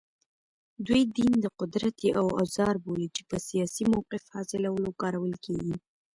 دوی دین د قدرت یو اوزار بولي چې په سیاسي موقف حاصلولو کارول کېږي